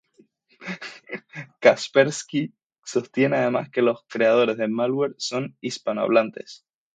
Kaspersky sostiene además que los creadores del "malware" son hispanohablantes.